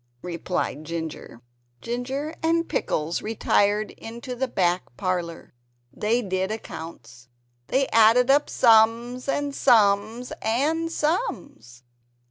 replied Ginger. Ginger and Pickles retired into the back parlor. They did accounts. They added up sums and sums, and sums.